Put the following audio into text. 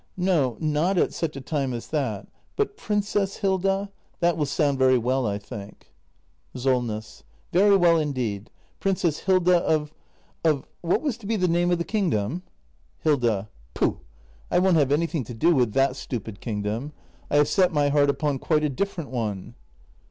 No, not at such a time as that. But — "Princess Hilda" — that will sound very well, I think. SOLNESS. Very well indeed. Princess Hilda of — of — what was to be the name of the kingdom? Hilda. Pooh! I won't have anything to do with that stu pid kingdom. I have set my heart upon quite a different one!